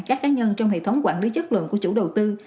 các cá nhân trong hệ thống quản lý chất lượng của chủ đầu tư